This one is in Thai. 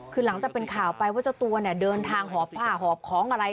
คือหลังจากเป็นข่าวไปว่าเจ้าตัวเนี่ยเดินทางหอบผ้าหอบของอะไร